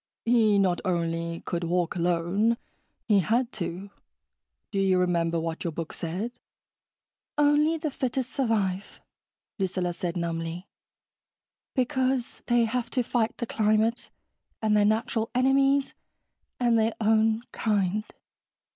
"He not only could walk alone, he had to. Do you remember what your book said?" "Only the fittest survive," Lucilla said numbly. "Because they have to fight the climate ... and their natural enemies ... and their own kind."